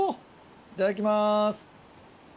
いただきます。